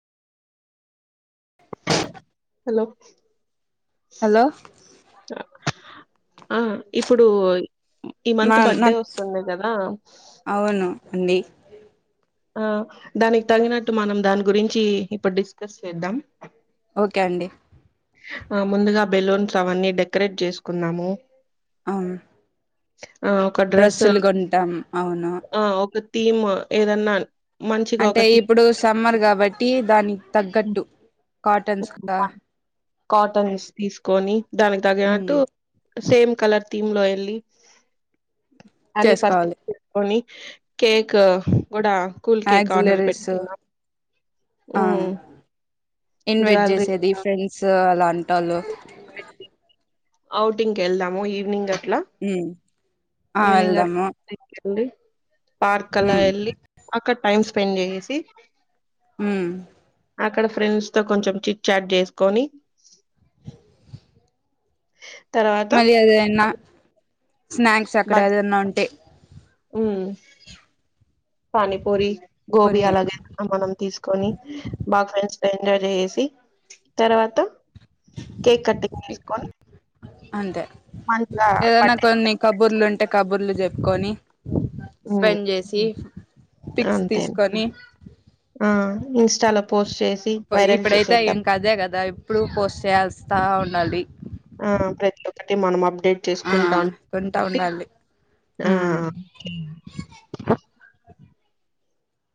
hello hello ఆ ఇప్పుడు ఈ నా మంత్ బడ్డే నాకు వస్తుంది కదా అవును అండి ఆ దానికి తగినట్టు మనం దాని గురించి ఇప్పుడు డిస్కస్ చేద్దాం ఓకే అండి ముందుగా బెలూన్స్ అవన్నీ డెకరేట్ చేసుకున్నాము అ ఒక డ్రెస్ డ్రెస్సులు కొంటాం అవును ము ఏదన్నా మంచిగా ఒక అంటే థీమ్ ఇప్పుడు సమ్మర్ గా కాబట్టి దాని తగ్గట్టు కాటన్స్ కా కాటన్ తీసుకొని దానికి మ్మ్ తగినట్టు సేమ్ కలర్ థమ్ లో ఎల్లి అ పత చేసుకోవాలి కొని కేక్ కూడా కూల్ కేక్ ఆర్డర్ యాక్సిలరీస్ పెట్టుకున్నాం ఆ ఇన్వైట్ జ్యువెలరీ చేసేది ఫ్రెండ్స్ అలాంటి తల ఔటింగ్ వెళ్దాము ఈవ్నింగ్ హ ఏనుం అడి పార్క్ అలా మ్మ్ ఇల్ పక టైమ్స్ పన్ చేసి హ అక్కడ ఫ్రెండ్స్ తో కొంచెం చిట్ చాట్ చేసుకొని తర్వాత మలీఆద ఎన్న స్నాక్స్ అక్కడ ఏదన్నా ఉంటే ఉ పానీపూరి గోబీ కొని అలాగే మనం తీసుకొని బాగా ఫ్రె ఎంజాయ్ చేేసి తర్వాత కేక్ కటింగ్ చేసుకొని అంతే మంచిగా ఏదనా బర్త్డే కొన్ని కబుర్లు ఉంటే కబుర్లు చెప్పుకొని స్పెండ్ చేసి పిక్స్ అంతే తీసుకొని పోస్చేస్ ఇప్పుడైతే ఇంకా అదే కదా ఇప్పుడు పోస్ట్ చేయల్సి వస్తా ఉండాలి ఆ ప్రతి ఒక్కటి మనంబ్ ప్డేట్ ఆ చేసుకుంటా కొంటా కాబట్టి ఉండాలి ఆ ఉమ్